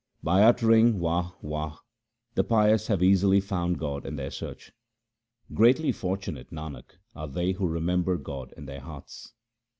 By uttering Wah ! Wah ! the pious have easily found God in their search. Greatly fortunate, Nanak, are they who remember God in their hearts.